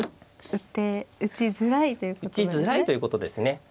打て打ちづらいということですね。